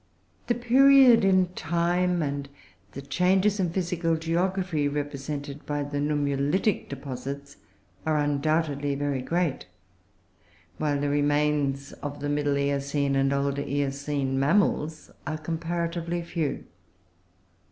The period in tine and the changes in physical geography represented by the nummulitic deposits are undoubtedly very great, while the remains of Middle Eocene and Older Eocene Mammals are comparatively few.